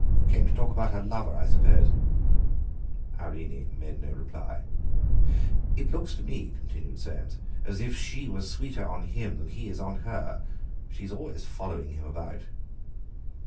"Came to talk about her lover, I suppose?" Irene made no reply. "It looks to me," continued Soames, "as if she were sweeter on him than he is on her. She's always following him about."